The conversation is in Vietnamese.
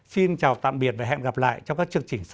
xin chào tạm biệt và hẹn gặp lại trong các chương trình sau